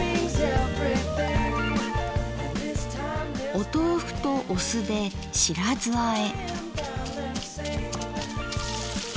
お豆腐とお酢で「白酢あえ」。